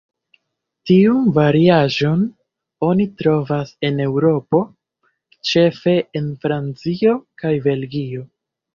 Tiun variaĵon oni trovas en Eŭropo, ĉefe en Francio kaj Belgio.